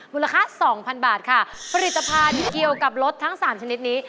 บริษัท๒๐๐๐บาทผลิตภัณฑ์เกี่ยวกับรถทั้งสามชนิดนี้